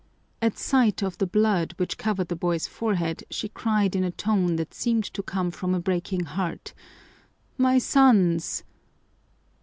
At sight of the blood which covered the boy's forehead she cried in a tone that seemed to come from a breaking heart, "My sons!"